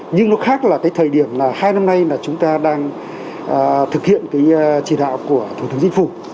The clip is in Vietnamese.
nhưng nó khác là cái thời điểm là hai năm nay là chúng ta đang thực hiện cái chỉ đạo của thủ tướng chính phủ